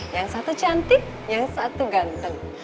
yang satu cantik yang satu ganteng